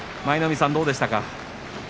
舞の海さん、どうでしたか？